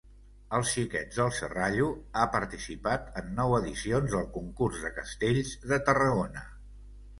Els Xiquets del Serrallo ha participat en nou edicions del Concurs de castells de Tarragona.